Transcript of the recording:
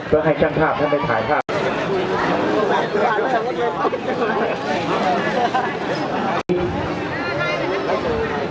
ข้างเพลิงเพื่อให้ช่างภาพถ้าไม่ถ่ายภาพ